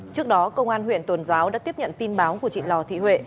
trước đó công an huyện tuần giáo đã tiếp nhận tin báo của chị lò thị huệ